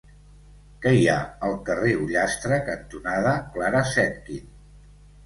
Què hi ha al carrer Ullastre cantonada Clara Zetkin?